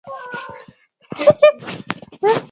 Hata kama usafi kiasi unafaa ili kuzuia shida mbaya za afya